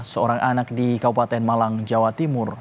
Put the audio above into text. seorang anak di kabupaten malang jawa timur